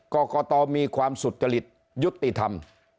กรกตมีความสุจริตยุติธรรม